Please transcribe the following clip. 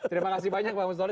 terima kasih banyak pak mustori